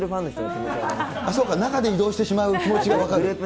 そうか、中で移動してしまう気持ちが分かる？